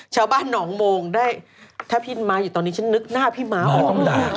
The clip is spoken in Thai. ชาวบ้านหนองโมงได้ถ้าพี่ม้าอยู่ตอนนี้ฉันนึกหน้าพี่ม้าออกเลย